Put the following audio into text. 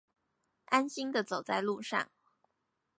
安心的走在路上